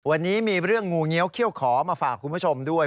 วันนี้มีเรื่องงูเงี้ยวเขี้ยวขอมาฝากคุณผู้ชมด้วย